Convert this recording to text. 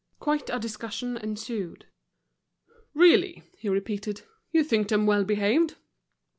Quite a discussion ensued. "Really," he repeated, "you think them well behaved."